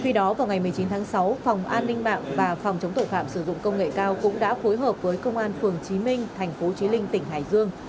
phòng an ninh mạng và phòng chống tội phạm sử dụng công nghệ cao cũng đã phối hợp với công an phường trí minh thành phố trí linh tỉnh hải dương